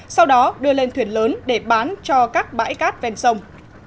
sau đó đưa lên thuyền lớn để bán cho các bãi cát ven sông